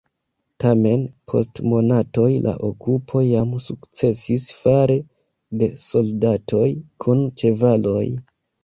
Tamen post monatoj la okupo jam sukcesis fare de soldatoj kun ĉevaloj.